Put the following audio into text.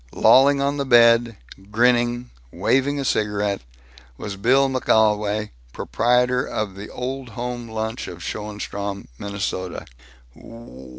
Lolling on the bed, grinning, waving a cigarette, was Bill McGolwey, proprietor of the Old Home Lunch, of Schoenstrom, Minnesota.